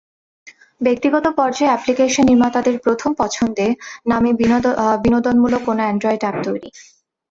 ব্যক্তিগত পর্যায়ে অ্যাপ্লিকেশন নির্মাতাদের প্রথম পছন্দে নামে বিনোদনমূলক কোনো অ্যান্ড্রয়েড অ্যাপ তৈরি।